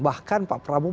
bahkan pak prabowo